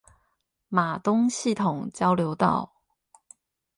瑪東系統交流道